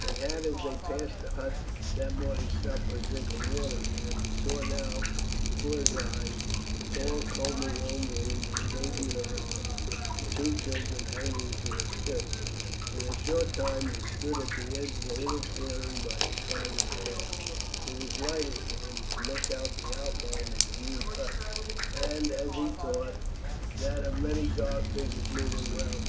They had as they passed the hut that morning stopped for a drink of water there, and he saw now before his eyes the tall comely young woman with a baby in her arms and two children hanging to her skirts. In a short time they stood at the edge of the little clearing by the side of the path. It was lighter here, and he could make out the outline of the rude hut, and, as he thought, that of many dark figures moving round it.